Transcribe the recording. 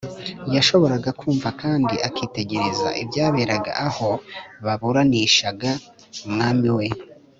yashoboraga kumva kandi akitegereza ibyaberaga aho baburanishaga umwami we